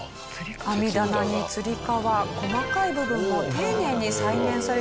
網棚につり革細かい部分も丁寧に再現されています。